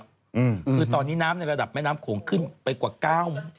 คือตอนนี้น้ำในระดับแม่น้ำโขงขึ้นไปกว่า๙๐